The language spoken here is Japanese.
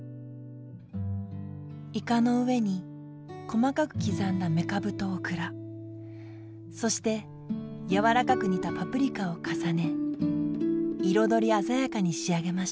イカの上に細かく刻んだめかぶとオクラそしてやわらかく煮たパプリカを重ね彩り鮮やかに仕上げました。